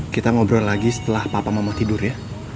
kita ngobrol lagi setelah papa mama tidur ya